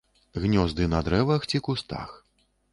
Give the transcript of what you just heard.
Гнёзды на дрэвах ці кустах.